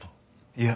いや。